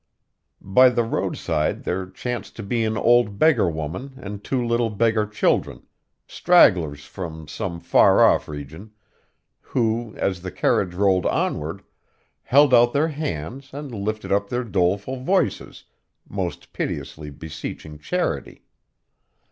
By the roadside there chanced to be an old beggar woman and two little beggar children, stragglers from some far off region, who, as the carriage rolled onward, held out their hands and lifted up their doleful voices, most piteously beseeching charity.